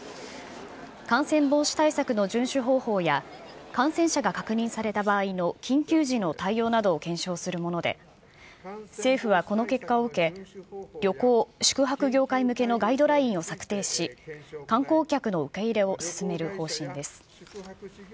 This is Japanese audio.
感染防止対策の順守方法や、感染者が確認された場合の緊急時の対応などを検証するもので、政府はこの結果を受け、旅行、宿泊業界向けのガイドラインを策定し、観光客の受け入れを進める方針です。